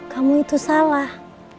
kamu itu salah